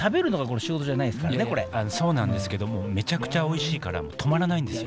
そうなんですけどもめちゃくちゃおいしいから止まらないんですよ。